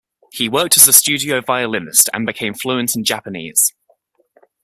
He worked as a studio violinist and became fluent in Japanese.